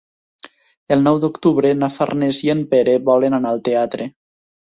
El nou d'octubre na Farners i en Pere volen anar al teatre.